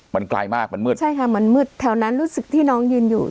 มันไกลมากมันมืดใช่ค่ะมันมืดแถวนั้นรู้สึกที่น้องยืนอยู่